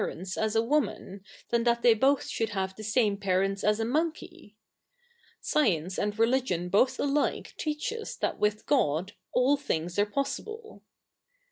'ents as a wojnan, than that they both should have th^ same parents as a fnonkey '{ Science a?id religion both alike teach us that with God all things are possible.